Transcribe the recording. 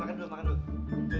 makan dulu makan dulu